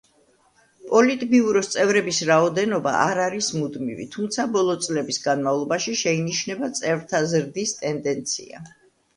პოლიტბიუროს წევრების რაოდენობა არ არის მუდმივი, თუმცა ბოლო წლების განმავლობაში შეინიშნება წევრთა ზრდის ტენდენცია.